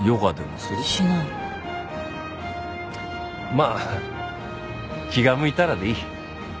まあ気が向いたらでいい。